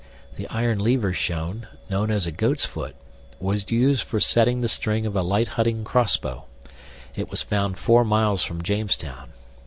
THE IRON LEVER SHOWN, KNOWN AS A "GOAT'S FOOT," WAS USED FOR SETTING THE STRING OF A LIGHT HUNTING CROSSBOW. IT WAS FOUND 4 MILES FROM JAMESTOWN.